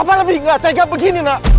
papa lebih gak tega begini nak